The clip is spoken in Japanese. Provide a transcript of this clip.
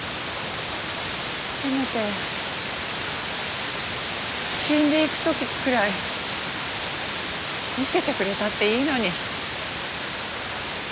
せめて死んでいく時くらい見せてくれたっていいのに。